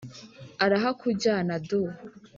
arahakujyanye du .